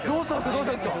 どうしたんですか。